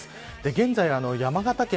現在、山形県